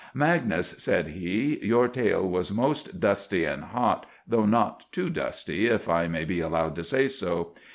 "Magnus," said he, "your tale was most dusty and hot, though not too dusty, if I may be allowed to say so.